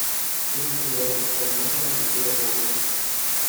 Siempre le ha gustado mucho la cultura popular.